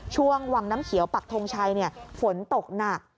ช่วงวังน้ำเขียวปักทงชัยฝนตกหนัก